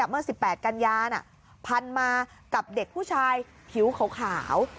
เมื่อ๑๘กันยาพันมากับเด็กผู้ชายผิวขาว